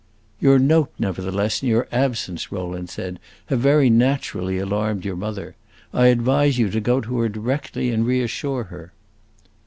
"Your note, nevertheless, and your absence," Rowland said, "have very naturally alarmed your mother. I advise you to go to her directly and reassure her."